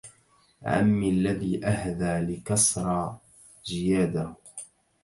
عمي الذي أهدى لكسرى جياده